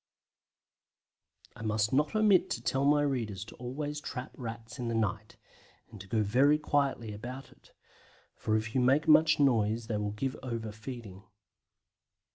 I must not omit to tell my readers to always trap Rats in the night, and to go very quietly about it, for if you make much noise they will give over feeding.